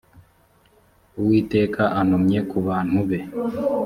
uwiteka antumye kubantube.